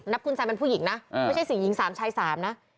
นับคุณแซมเป็นผู้หญิงนะไม่ใช่สีหญิง๓ชาย๓นะ